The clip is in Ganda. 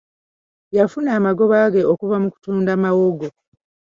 Yafuna amagoba ge okuva mu kutunda mawogo.